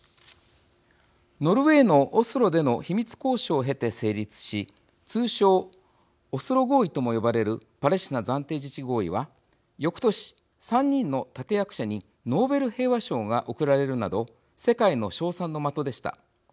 ノルウェーのオスロでの秘密交渉を経て成立し通称オスロ合意とも呼ばれるパレスチナ暫定自治合意はよくとし、３人の立て役者にノーベル平和賞が贈られるなど世界の称賛の的でした。